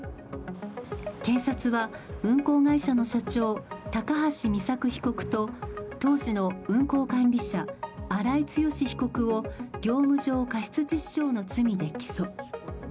検察は運行会社の社長、高橋美作被告と当時の運行管理者荒井強被告を業務上過失致死傷の罪で起訴。